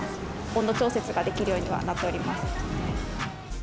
温度調節ができるようにはなってます。